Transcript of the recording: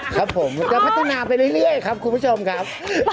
ครับผมจะพัฒนาไปเรื่อยครับคุณผู้ชมครับ